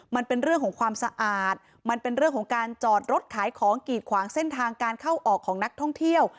มันเป็นเรื่องของความสะอาดมันเป็นเรื่องของการจอดรถขายของกีดขวางเส้นทางการเข้าออกของนักท่องเที่ยว